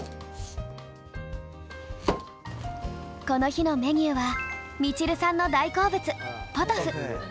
この日のメニューはみちるさんの大好物ポトフ。